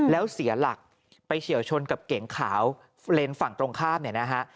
แล้วเสียหลักไปเฉียวชนกับเก๋งขาวเลนส์ฝั่งตรงข้ามเนี่ยนะฮะ